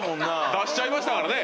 出しちゃいましたからね。